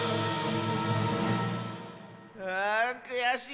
あくやしい！